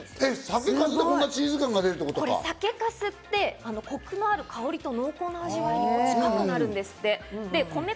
これ、酒かすってコクのある香りと濃厚な味わいを出す効果があるんですって。